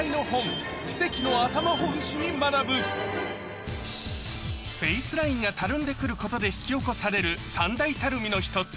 に学ぶフェースラインがたるんで来ることで引き起こされる３大たるみの１つ